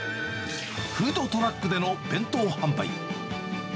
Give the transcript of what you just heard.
フードトラックでの弁当販売。